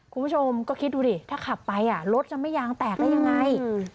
คุณผู้ชมก็คิดดูดิถ้าขับไปรถจะไม่ยางแตกได้ยังไง